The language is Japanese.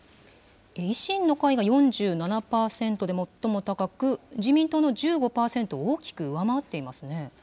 維新の会が４７％で最も高く、自民党の１５％を大きく上回っていますね。